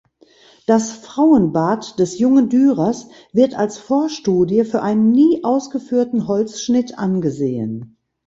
Das "Frauenbad" des jungen Dürers wird als Vorstudie für einen nie ausgeführten Holzschnitt angesehen.